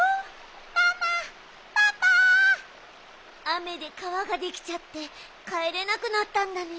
あめでかわができちゃってかえれなくなったんだね。